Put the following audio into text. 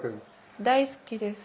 大好きです。